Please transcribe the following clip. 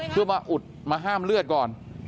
เพื่อมาอุดมาห้ามเลือดก่อน